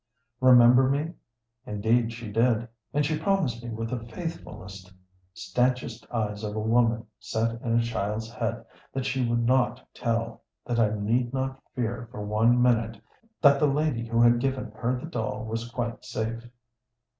Remember me? Indeed she did, and she promised me with the faithfulest, stanchest eyes of a woman set in a child's head that she would not tell; that I need not fear for one minute; that the lady who had given her the doll was quite safe.